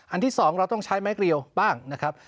ที่๒เราต้องใช้ไม้เกลียวบ้างนะครับ